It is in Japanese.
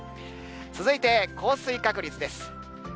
続いて、降水確率です。